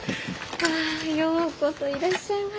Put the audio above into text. あようこそいらっしゃいました。